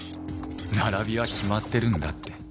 並びは決まってるんだって。